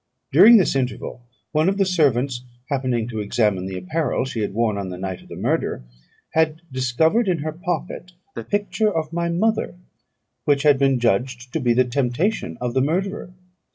During this interval, one of the servants, happening to examine the apparel she had worn on the night of the murder, had discovered in her pocket the picture of my mother, which had been judged to be the temptation of the murderer.